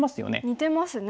似てますね。